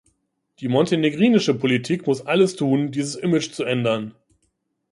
Die montenegrinische Politik muss alles tun, dieses Image zu ändern.